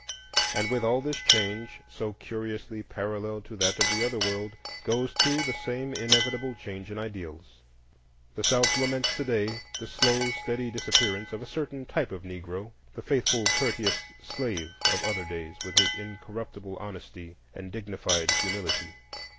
And with all this change, so curiously parallel to that of the Other world, goes too the same inevitable change in ideals. The South laments to day the slow, steady disappearance of a certain type of Negro,—the faithful, courteous slave of other days, with his incorruptible honesty and dignified humility.